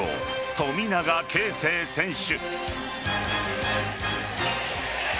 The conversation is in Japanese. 富永啓生選手。